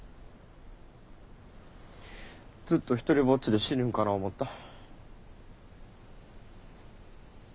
ずっと独りぼっちで死ぬんかな思うと。